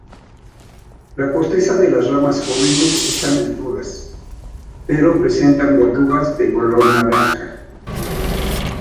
La corteza de las ramas jóvenes están desnudas, pero presentan verrugas de color naranja.